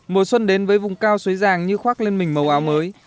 mùa xuân đến với vùng cao xuế giàng như khoác lên mình màu áo mới